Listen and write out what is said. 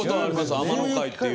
天野会っていう。